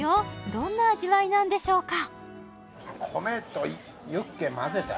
どんな味わいなんでしょうか？